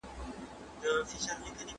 سود خوړل په سرمایه دارۍ کي عام دي.